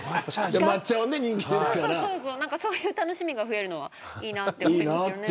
そういう楽しみが増えるのはいいなと思います。